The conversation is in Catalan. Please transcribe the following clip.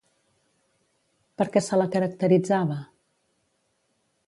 Per què se la caracteritzava?